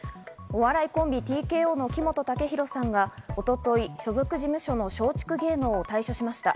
お笑いコンビ、ＴＫＯの木本武宏さんが一昨日、所属事務所の松竹芸能を退所しました。